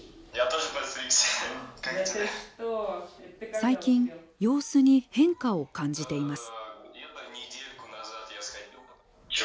最近、様子に変化を感じています。